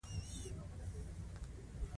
ځواب یې ورکړ، داسې کتابونه یې ماشومانو ته لیکل،